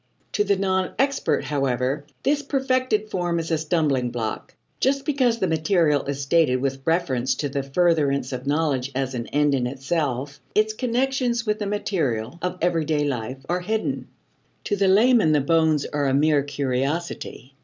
To the non expert, however, this perfected form is a stumbling block. Just because the material is stated with reference to the furtherance of knowledge as an end in itself, its connections with the material of everyday life are hidden. To the layman the bones are a mere curiosity.